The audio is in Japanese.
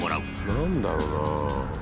何だろうな？